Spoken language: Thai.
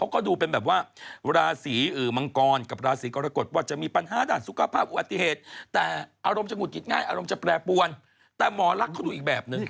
คุณไปเห็นหลอดไฟบนบ้านคุณหรือเปล่า